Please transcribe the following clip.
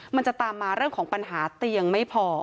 มันจะตามมาเรื่องของปัญหาเตียงไม่พอ